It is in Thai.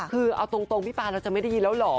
คือเอาตรงพี่ปานเราจะไม่ได้ยินแล้วเหรอ